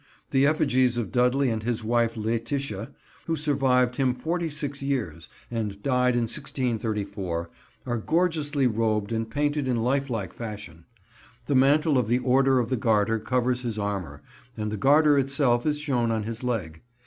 The effigies of Dudley and his wife Lætitia, who survived him forty six years and died in 1634, are gorgeously robed and painted in lifelike fashion. The mantle of the Order of the Garter covers his armour, and the Garter itself is shown on his leg.